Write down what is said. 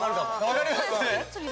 分かります？